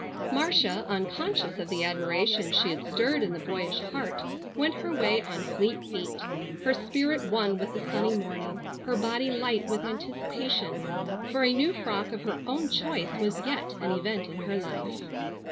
Marcia, unconscious of the admiration she had stirred in the boyish heart, went her way on fleet feet, her spirit one with the sunny morning, her body light with anticipation, for a new frock of her own choice was yet an event in her life.